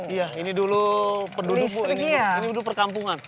iya ini dulu penduduk bu ini dulu perkampungan